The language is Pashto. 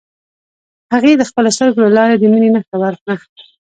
هغې د خپلو سترګو له لارې د مینې نښه ورکړه.